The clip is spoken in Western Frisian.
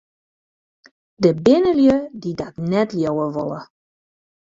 Der binne lju dy't dat net leauwe wolle.